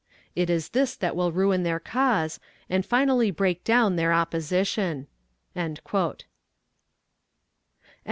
It is this that will ruin their cause, and finally break down their opposition." CHAPTER XIX.